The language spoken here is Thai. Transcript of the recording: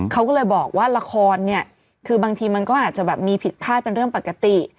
เขาก็เลยบอกว่าละครเนี่ยคือบางทีมันก็อาจจะแบบมีผิดพลาดเป็นเรื่องปกติ